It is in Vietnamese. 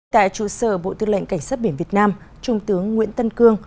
tại trụ sở bộ tư lệnh cảnh sát biển việt nam trung tướng nguyễn tân cương